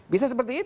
bisa seperti itu